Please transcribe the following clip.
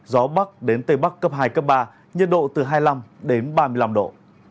gió bắc đến tây bắc cấp hai cấp ba nhiệt độ từ hai mươi năm đến ba mươi năm độ